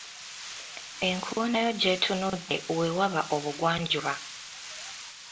Enkoona yo gy'etunudde we waba obugwanjuba